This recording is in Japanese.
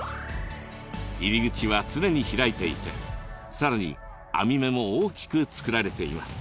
入り口は常に開いていてさらに網目も大きく作られています。